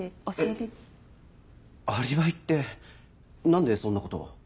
えっアリバイって何でそんなことを？